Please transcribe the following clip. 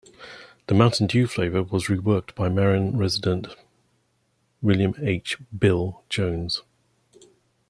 The Mountain Dew flavor was reworked by Marion resident William H. "Bill" Jones.